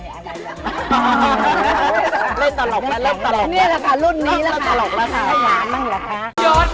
เล่นตลกเล่นตลกเล่นตลกเล่นตลกแล้วค่ะ